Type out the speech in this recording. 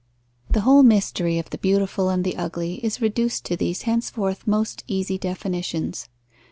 _ The whole mystery of the beautiful and the ugly is reduced to these henceforth most easy definitions.